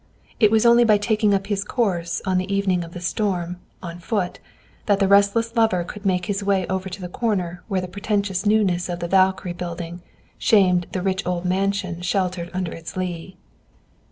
It was only by taking up his course on the evening of the storm, on foot, that the restless lover could make his way over to the corner where the pretentious newness of the "Valkyrie" building shamed the rich old mansion sheltered under its lee.